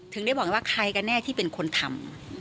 ได้บอกว่าใครกันแน่ที่เป็นคนทำ